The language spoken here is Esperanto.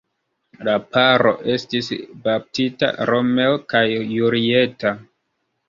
La paro estis baptita Romeo kaj Julieta.